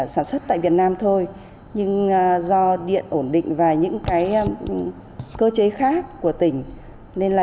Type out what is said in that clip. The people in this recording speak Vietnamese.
sản xuất tại việt nam thôi nhưng do điện ổn định và những cái cơ chế khác của tỉnh nên là